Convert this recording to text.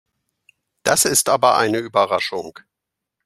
Das ist aber eine Überraschung.